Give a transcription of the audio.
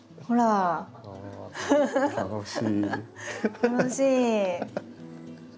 楽しい！